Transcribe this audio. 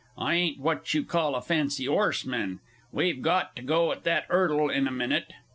I ain't what you call a fancy 'orseman. We've got to go at that 'urdle in a minute.